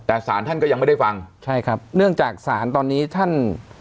แต่สารท่านก็ยังไม่ได้ฟังใช่ครับเนื่องจากศาลตอนนี้ท่าน